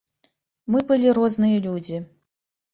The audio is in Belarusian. Мы былі розныя людзі.